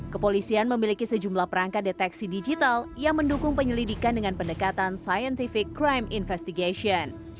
kepolisian memiliki sejumlah perangkat deteksi digital yang mendukung penyelidikan dengan pendekatan scientific crime investigation